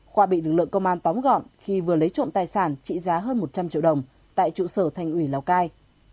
khoa bị lực lượng công an tóm gọn khi vừa lấy trộm tài sản trị giá hơn một trăm linh triệu đồng tại trụ sở thành ủy lào cai